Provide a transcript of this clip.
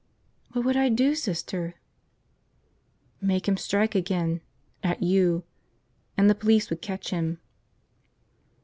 "What would I do, Sister?" "Make him strike again. At you. And the police would catch him."